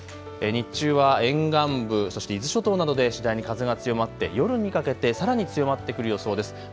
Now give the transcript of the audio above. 日中は沿岸部、そして伊豆諸島などで次第に風が強まって夜にかけてさらに強まってくる予想です。